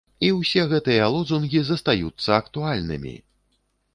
І ўсе гэтыя лозунгі застаюцца актуальнымі!